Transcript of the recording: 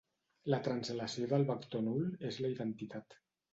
La translació de vector nul és la identitat.